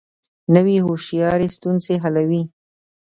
نوې هوښیاري ستونزې حلوي